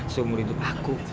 seumur hidup aku